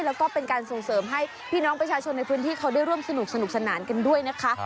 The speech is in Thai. แล้วก็เป็นการส่งเสริมให้พี่น้องประชาชนในพื้นที่เขาได้ร่วมสนุกสนานกันด้วยนะคะ